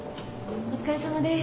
お疲れさまです。